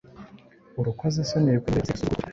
Urukozasoni rwemewe, rwizeye 'gusuzugura' ukuri,